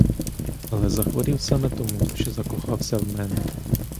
Але захворів саме тому, що закохався в мене.